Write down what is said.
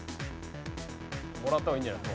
もらった方がいいんじゃない？